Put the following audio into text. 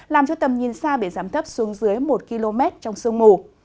làm cho tầm nhìn xa bị giảm thấp xuống dưới một km trong sương mù